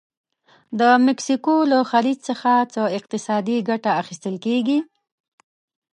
د مکسیکو له خلیج څخه څه اقتصادي ګټه اخیستل کیږي؟